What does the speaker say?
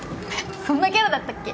そんなキャラだったっけ？